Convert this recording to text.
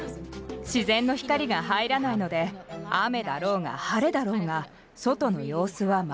自然の光が入らないので雨だろうが晴れだろうが外の様子は全く分かりません。